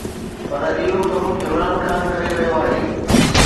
پر اهو ڪم عمران خان ڪري رهيو آهي.